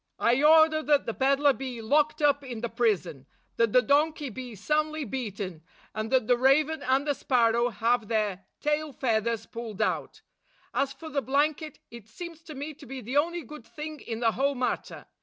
I order that the peddler be locked up in the prison; that the donkey be soundly beaten ; and that the raven and the sparrow have their tail feathers pulled out. As for the blanket, it seems to me to be the only good thing in the whole matter.